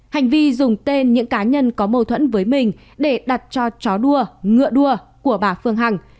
hành vi dùng tên những cá nhân có mâu thuẫn với mình để đặt cho chó đua ngựa đua của bà phương hằng